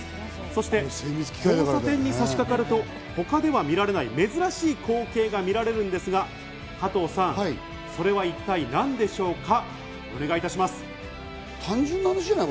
そして交差点に差し掛かると、他では見られない珍しい光景が見られるんですが加藤さん、それは一体何でしょうか？